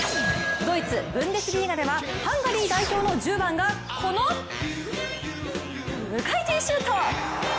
ドイツ、ブンデスリーガではハンガリー代表の１０番がこの無回転シュート！